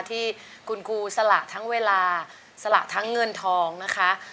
ที่คุณครูสละทั้งเวลาสละทั้งเงินทองนะคะ